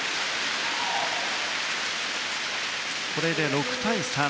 これで６対３。